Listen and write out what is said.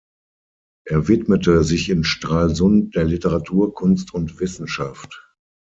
Er widmete sich in Stralsund der Literatur, Kunst und Wissenschaft.